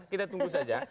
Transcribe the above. kita tunggu saja